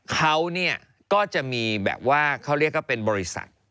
เขาเนี่ยก็จะมีแบบว่าเขาเรียกว่าเป็นบริษัท